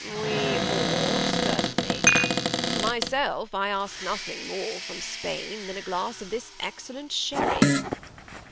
''We ought, certainly. For myself, I ask nodiing more from Spain than a glass of this excellent sherry."